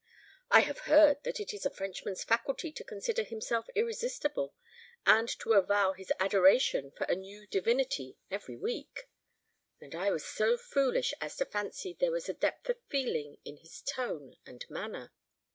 "I have heard that it is a Frenchman's faculty to consider himself irresistible, and to avow his adoration for a new divinity every week. And I was so foolish as to fancy there was a depth of feeling in his tone and manner!